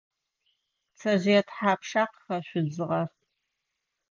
Пцэжъые тхьапша къыхэжъу дзыгъэр?